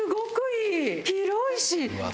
広いし。